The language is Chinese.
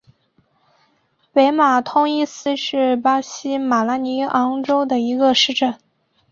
北马通伊斯是巴西马拉尼昂州的一个市镇。